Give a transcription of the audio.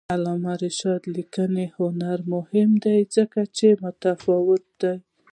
د علامه رشاد لیکنی هنر مهم دی ځکه چې متفاوته دی.